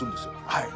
はい。